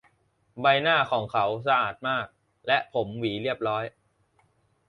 ใบหน้าของเขาสะอาดมาก และผมหวีเรียบร้อย